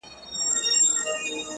که پاچا دی که امیر ګورته رسیږي،